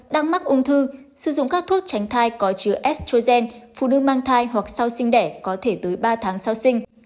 đang mắc ung thư sử dụng các thuốc tránh thai có chứa estrogen phụ nữ mang thai hoặc sau sinh đẻ có thể tới ba tháng sau sinh